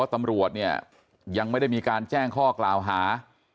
ตำรวจเนี่ยยังไม่ได้มีการแจ้งข้อกล่าวหา